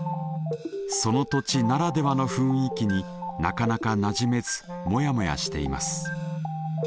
その土地ならではの雰囲気になかなかなじめずモヤモヤしています。